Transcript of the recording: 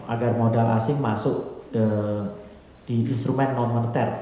agar modal asing masuk di instrumen non moneter